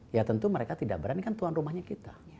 ya tentu mereka tidak berani kan tuan rumahnya kita